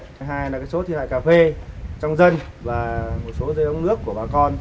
thứ hai là số thiệt hại cà phê trong dân và một số dây ống nước của bà con